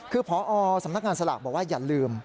คือพอสำนักงานสลากบอกว่าอย่าลืม